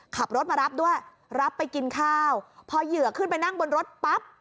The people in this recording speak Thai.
ขับรถมารับด้วยรับไปกินข้าวพอเหยื่อขึ้นไปนั่งบนรถปั๊บ